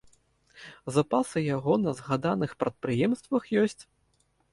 Запасы яго на згаданых прадпрыемствах ёсць.